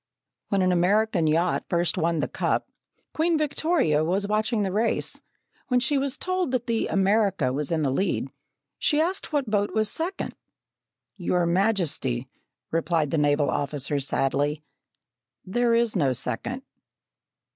When an American yacht first won the cup, Queen Victoria was watching the race. When she was told that the America was in the lead, she asked what boat was second. "Your Majesty," replied the naval officer sadly, "there is no second!"